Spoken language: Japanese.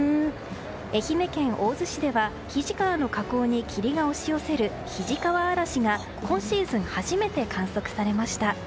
愛媛県大洲市では肱川の河口に霧が押し寄せる肱川あらしが今シーズン初めて観測されました。